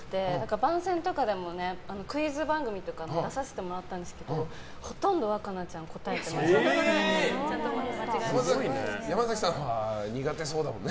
番宣とかでもクイズ番組とかも出させてもらったんですけどほとんど、わかなちゃん山崎さんは苦手そうだもんね。